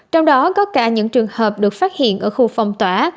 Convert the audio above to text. trong đó có cả những trường hợp được phát hiện ở khu phong tỏa